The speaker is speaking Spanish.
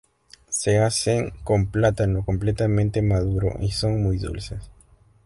Se hacen con plátano completamente maduro y son muy dulces.